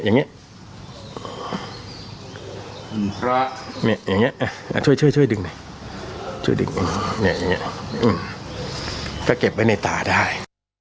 อย่างนี้ช่วยช่วยดึงหน่อยช่วยดึงอย่างนี้ก็เก็บไว้ในตาได้